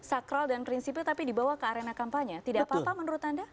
sakral dan prinsipnya tapi dibawa ke arena kampanye tidak apa apa menurut anda